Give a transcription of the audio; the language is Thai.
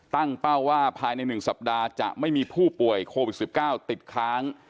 เป้าว่าภายใน๑สัปดาห์จะไม่มีผู้ป่วยโควิด๑๙ติดค้าง